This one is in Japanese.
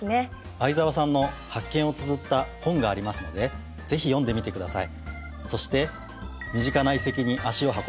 相沢さんの発見をつづった本がありますのでぜひ読んでみてください。